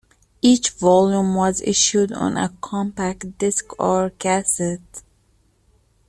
Each volume was issued on a compact disc or cassette.